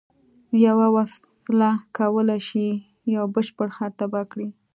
یوه وسله کولای شي یو بشپړ ښار تباه کړي